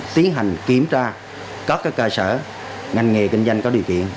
tiến hành kiểm tra các cơ sở ngành nghề kinh doanh có điều kiện